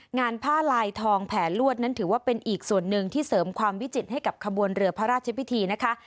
งานผ้าลายทองแผลลวดนั้นถือว่าเป็นอีกส่วนหนึ่งที่เสริมความวิจิตรให้กับขบวนเรือพระราชพิธีนะคะ